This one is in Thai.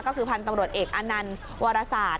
ก็คือพันธุ์กำรวจเอกอนันต์วรษาท